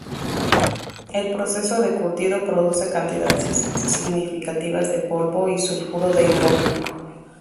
El proceso de curtido produce cantidades significativas de polvo y sulfuro de hidrógeno.